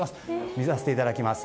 見させていただきます。